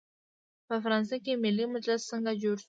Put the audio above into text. په فرانسه کې ملي مجلس څنګه جوړ شو؟